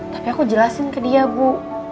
tapi aku jelasin ke dia bu